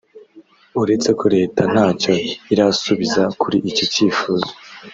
uretse ko Leta ntacyo irasubiza kuri iki cyifuzo